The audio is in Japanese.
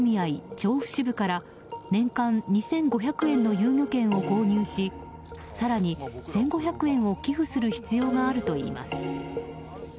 調布市部から年間２５００円の遊漁券を購入し更に１５００円を寄付する必要があるといいます。